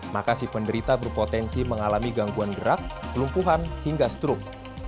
maka si penderita berpotensi mengalami gangguan gerak kelumpuhan hingga strok